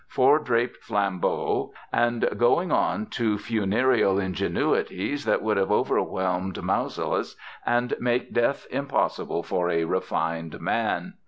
Four draped Flambeaux...." and going on to funereal ingenuities that would have overwhelmed Mausolus, and make death impossible for a refined man.